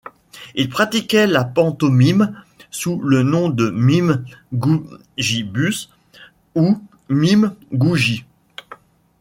Il pratiquait la pantomime sous le nom de Mime Gougibus ou Mime Gougy.